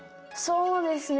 そうですね。